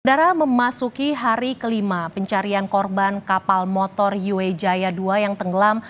darah memasuki hari kelima pencarian korban kapal motor yuejaya ii yang tenggelam